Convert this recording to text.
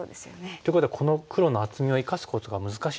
っていうことはこの黒の厚みを生かすことが難しいですよね。